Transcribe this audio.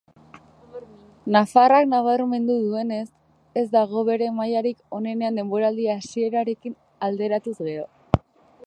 Nafarrak nabarmendu duenez, ez dago bere mailarik onenean denboraldi hasierarekin alderatuz gero.